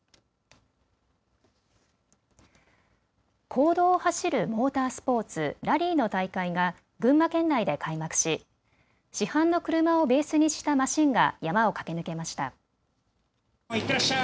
公道を走るモータースポーツ、ラリーの大会が群馬県内で開幕し市販の車をベースにしたマシンが山を駆け抜けました。